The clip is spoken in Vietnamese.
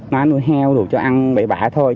nuôi heo nuôi cho ăn bể bạ thôi